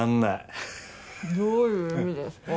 どういう意味ですか？